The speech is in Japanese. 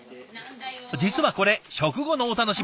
実はこれ食後のお楽しみ。